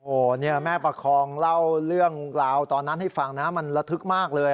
โอ้โหเนี่ยแม่ประคองเล่าเรื่องราวตอนนั้นให้ฟังนะมันระทึกมากเลย